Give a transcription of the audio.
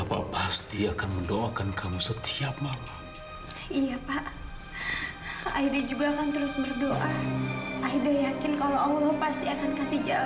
pasti akan kasih jalan buat ahida pak